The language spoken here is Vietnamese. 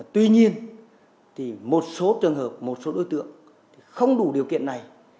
tuy nhiên thì một số trường hợp một số đối tượng không đủ điều kiện này